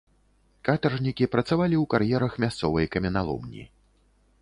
Катаржнікі працавалі ў кар'ерах мясцовай каменяломні.